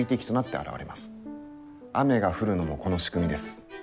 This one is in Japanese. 雨が降るのもこの仕組みです。